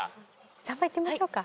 ３番いってみましょうか。